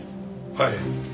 はい。